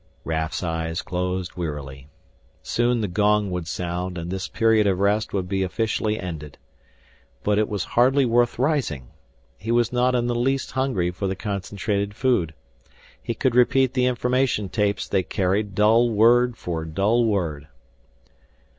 Raf's eyes closed wearily. Soon the gong would sound and this period of rest would be officially ended. But it was hardly worth rising. He was not in the least hungry for the concentrated food. He could repeat the information tapes they carried dull word for dull word.